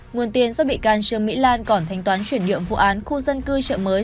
nguồn tiền do bị can trương mỹ lan còn thanh toán chuyển nhượng vụ án khu dân cư chợ mới